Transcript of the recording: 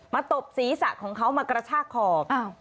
ตบศีรษะของเขามากระชากขอบ